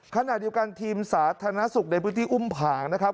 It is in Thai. ขณะดีกว่าการทีมสาธารณสุขเดพิวตี้อุ้มผ่างนะครับ